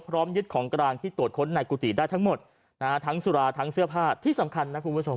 พร้อมยึดของกลางที่ตรวจค้นในกุฏิได้ทั้งหมดนะฮะทั้งสุราทั้งเสื้อผ้าที่สำคัญนะคุณผู้ชม